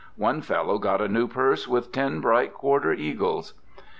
One fellow got a new purse with ten bright quarter eagles.